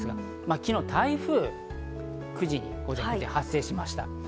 昨日、台風が午前９時に発生しました。